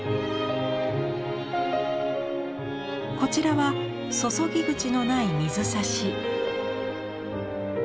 こちらは注ぎ口のない水差し。